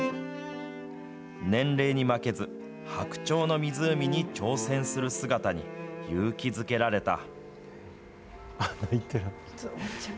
年齢に負けず、白鳥の湖に挑戦する姿に、勇気づけられた。